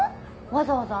わざわざ？